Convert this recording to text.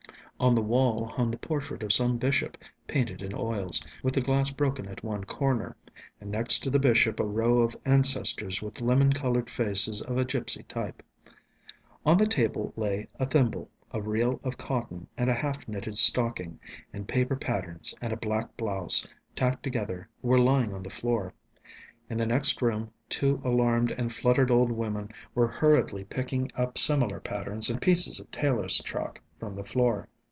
On the wall hung the portrait of some bishop, painted in oils, with the glass broken at one corner, and next to the bishop a row of ancestors with lemon coloured faces of a gipsy type. On the table lay a thimble, a reel of cotton, and a half knitted stocking, and paper patterns and a black blouse, tacked together, were lying on the floor. In the next room two alarmed and fluttered old women were hurriedly picking up similar patterns and pieces of tailor's chalk from the floor.